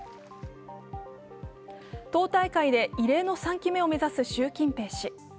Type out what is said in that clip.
党大会で、異例の３期目を目指す習近平氏。